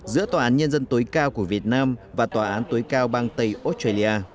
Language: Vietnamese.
giữa tòa án nhân dân tối cao của việt nam và tòa án tối cao bang tây australia